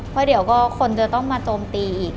เพราะเดี๋ยวก็คนจะต้องมาโจมตีอีก